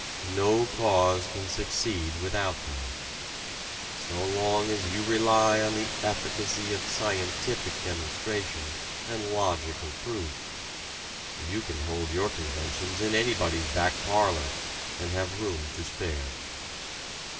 No cause can succeed without them: so long as you rely on the efficacy of "scientific" demonstration and logical proof you can hold your conventions in anybody's back parlor and have room to spare.